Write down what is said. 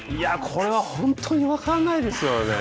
これは本当に分からないですよね。